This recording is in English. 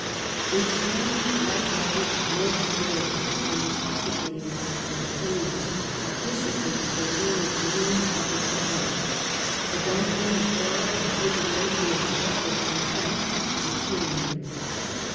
A strange light hearted nervous gayety — intoxi cating as champagne — had dissipated the lurid gloom of the Terror ; the dumbness of horror had given way to a reckless contempt for tyranny.